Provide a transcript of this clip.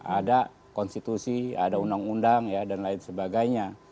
ada konstitusi ada undang undang dan lain sebagainya